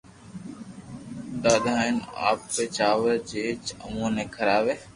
دآدا ھين آپ او چاور جي اووہ ني کراوي